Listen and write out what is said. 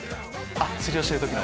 あっ釣りをしてる時の。